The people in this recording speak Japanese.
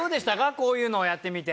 こういうのをやってみて。